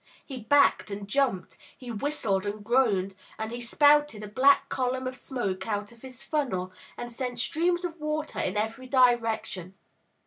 He backed and jumped, he whistled and groaned, and he spouted a black column of smoke out of his funnel, and sent streams of water in every direction.